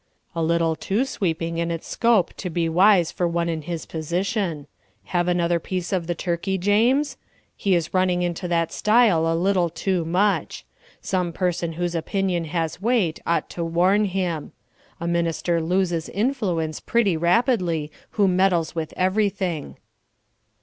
"A little too sweeping in its scope to be wise for one in his position. Have another piece of the turkey, James? He is running into that style a little too much. Some person whose opinion has weight ought to warn him. A minister loses influence pretty rapidly who meddles with everything."